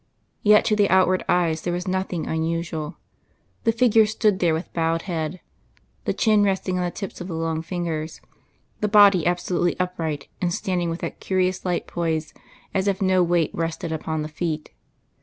Yet to the outward eyes there was nothing unusual. The figure stood there with bowed head, the chin resting on the tips of the long fingers, the body absolutely upright, and standing with that curious light poise as if no weight rested upon the feet.